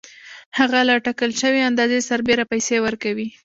هغه له ټاکل شوې اندازې سربېره پیسې ورکوي